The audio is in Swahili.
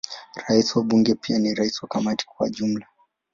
Rais wa Bunge pia ni rais wa Kamati kwa ujumla.